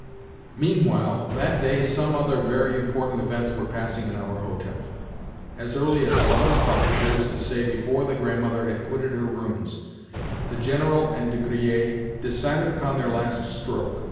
Meanwhile, that day some other very important events were passing in our hotel. As early as eleven o'clock—that is to say, before the Grandmother had quitted her rooms—the General and De Griers decided upon their last stroke.